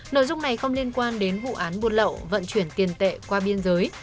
nội dung này không liên quan đến vụ án buôn lậu vận chuyển tiền tệ qua biên giới